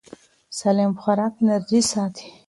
سالم خوراک انرژي ساتي.